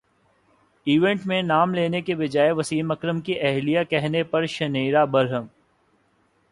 event میں نام لینے کے بجائے وسیم اکرم کی اہلیہ کہنے پر شنیرا برہم